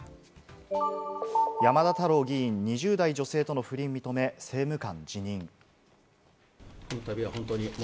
山田太郎議員、２０代女性との不倫認め、政務官、辞任。